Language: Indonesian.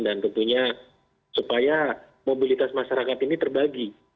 dan tentunya supaya mobilitas masyarakat ini terbagi